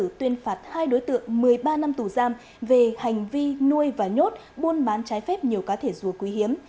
tuyên phạt hai đối tượng một mươi ba năm tù giam về hành vi nuôi và nhốt buôn bán trái phép nhiều cá thể rùa quý hiếm